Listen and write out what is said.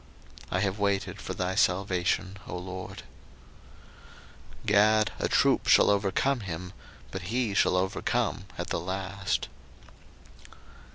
01:049:018 I have waited for thy salvation, O LORD. 01:049:019 Gad, a troop shall overcome him: but he shall overcome at the last.